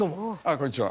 こんにちは。